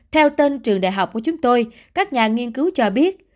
theo tên trường đại học của chúng tôi các nhà nghiên cứu cho biết